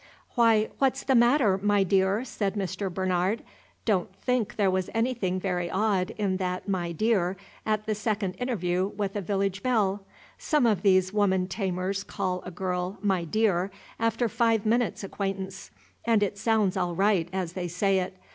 "Why, what's the matter, my dear?" said Mr. Bernard. Don't think there was anything very odd in that "my dear," at the second interview with a village belle; some of these woman tamers call a girl "My dear," after five minutes' acquaintance, and it sounds all right as they say it.